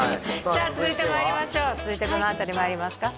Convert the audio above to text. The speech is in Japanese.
さあ続いてまいりましょう続いてどの辺りまいりますか？